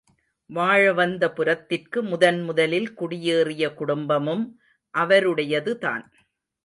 வாழவந்தபுரத்திற்கு முதன் முதலில் குடியேறிய குடும்பமும் அவருடையதுதான்.